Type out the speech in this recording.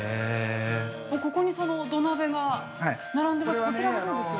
◆ここに、その土鍋が並んでます。